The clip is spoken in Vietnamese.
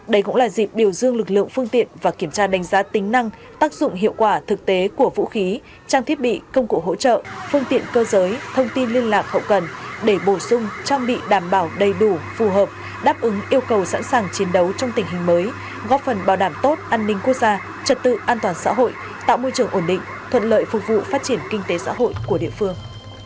đây cũng là dịp biểu dương lực lượng phương tiện và kiểm tra đánh giá tính năng tác dụng hiệu quả thực tế của vũ khí trang thiết bị công cụ hỗ trợ phương tiện cơ giới thông tin liên lạc hậu cần để bổ sung trang bị đảm bảo đầy đủ phù hợp đáp ứng yêu cầu sẵn sàng chiến đấu trong tình hình mới góp phần bảo đảm tốt an ninh quốc gia trật tự an toàn xã hội tạo môi trường ổn định thuận lợi phục vụ phát triển kinh tế xã hội của địa phương